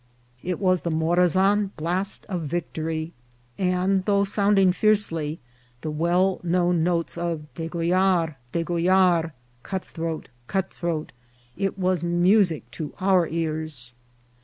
It was the Morazan blast of victory ; and, though sounding fiercely the well known notes of " de gollar, degollar," " cutthroat, cutthroat," it was music to our ears.